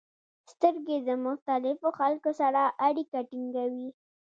• سترګې د مختلفو خلکو سره اړیکه ټینګوي.